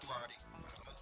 mau dua adik